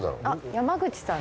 山口さん？